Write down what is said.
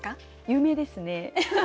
有名ですね。